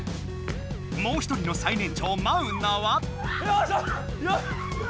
もう一人の最年長マウナは。